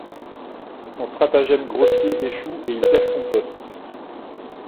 Son stratagème grossier échoue et il perd son poste.